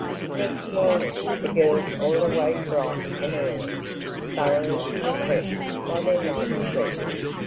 Next morning the girls all awoke bright and early, thoroughly refreshed by their night's rest.